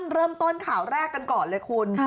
เริ่มต้นข่าวแรกกันก่อนเลยคุณ